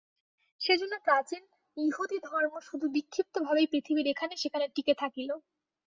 সেজন্য প্রাচীন য়াহুদীধর্ম শুধু বিক্ষিপ্তভাবেই পৃথিবীর এখানে সেখানে টিকে থাকল।